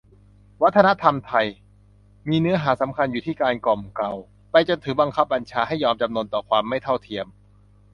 "วัฒนธรรมไทย" มีเนื้อหาสำคัญอยู่ที่การกล่อมเกลา ไปจนถึงบังคับบัญชาให้ยอมจำนนต่อความไม่เท่าเทียม